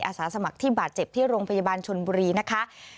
อาสาสมัครที่บาดเจ็บที่โรงพยาบาลชนบุรีนะคะ